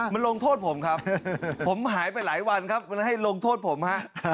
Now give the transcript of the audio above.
มันลงโทษผมครับผมหายไปหลายวันครับมันให้ลงโทษผมฮะ